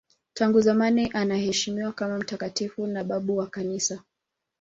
Tangu zamani anaheshimiwa kama mtakatifu na babu wa Kanisa.